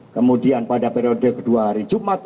kemudian pada periode kedua hari jumat